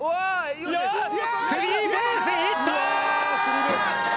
スリーベースヒット！